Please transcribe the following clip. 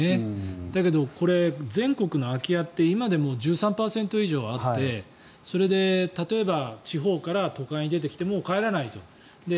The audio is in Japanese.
だけど、全国の空き家って今でも１３％以上あってそれで例えば地方から都会に出てきてもう帰らないと。